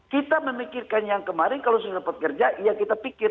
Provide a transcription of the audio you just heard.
kita memikirkan yang kemarin kalau sudah dapat kerja ya kita pikir